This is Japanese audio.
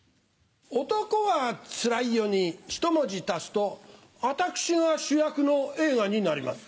『男はつらいよ』にひと文字足すと私が主役の映画になります。